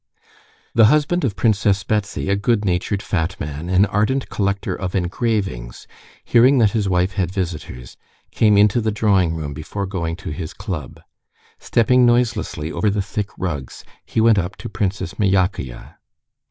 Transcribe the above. The husband of Princess Betsy, a good natured fat man, an ardent collector of engravings, hearing that his wife had visitors, came into the drawing room before going to his club. Stepping noiselessly over the thick rugs, he went up to Princess Myakaya.